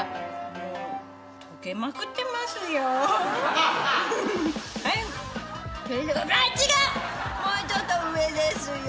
もうちょっと上ですよ。